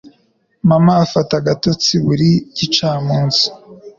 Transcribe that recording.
Mama afata agatotsi buri gicamunsi.